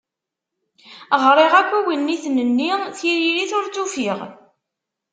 Ɣriɣ akk iwenniten-nni, tiririt ur tt-ufiɣ.